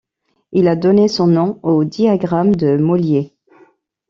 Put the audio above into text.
Il a donné son nom au diagramme de Mollier.